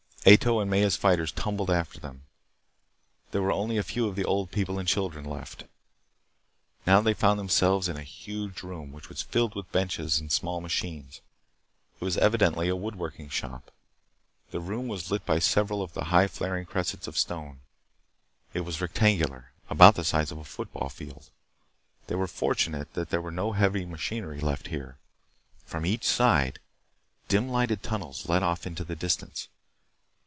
Ato's and Maya's fighters tumbled after them. There were only a few of the old people and children left. Now they found themselves in a huge room which was filled with benches and small machines. It was evidently a wood working shop. The room was lit by several of the high flaring cressets of stone. It was rectangular, about the size of a football field. They were fortunate that there was no heavy machinery left here. From each side, dim lighted tunnels led off into the distance.